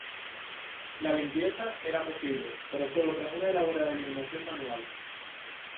La limpieza era posible, pero sólo tras una elaborada eliminación manual.